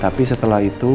tapi setelah itu